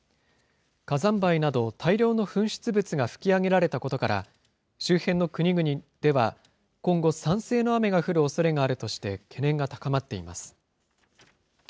火山灰など、大量の噴出物が噴き上げられたことから、周辺の国々では、今後、酸性の雨が降るおそれがあるとして、懸念が高まっています。